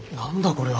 これは。